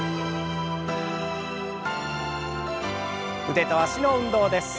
腕と脚の運動です。